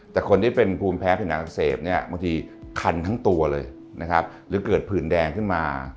แต่คนที่เป็นภูมิแพ้ผิวหนังอักเสบเนี่ยบางทีคันทั้งตัวเลยนะครับหรือเกิดผื่นแดงขึ้นมา